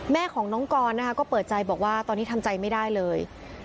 แม่ของน้องกรนะคะก็เปิดใจบอกว่าตอนนี้ทำใจไม่ได้เลย